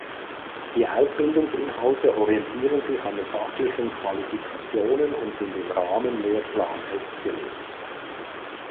Die Ausbildungsinhalte orientieren sich an den fachlichen Qualifikationen und sind im Rahmenlehrplan festgelegt.